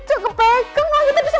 aku mau pergi dulu